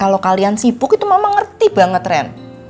jadi kalau kalian sibuk itu mama ngerti banget ren